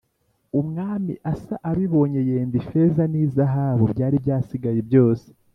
Umwami Asa abibonye yenda ifeza n’izahabu byari byasigaye byose